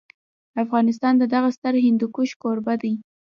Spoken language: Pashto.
افغانستان د دغه ستر هندوکش کوربه دی.